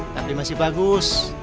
tapi masih bagus